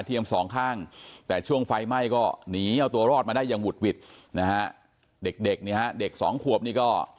เด็กนี้ฮะเด็กสองขวบนี้ก็